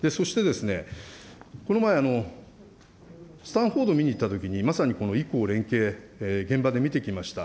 そして、この前、スタンフォードを見に行ったときに、まさにこのいこう連携、現場で見てきました。